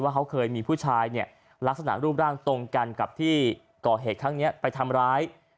เขาเคยมีผู้ชายเนี่ยลักษณะรูปร่างตรงกันกับที่ก่อเหตุครั้งนี้ไปทำร้าย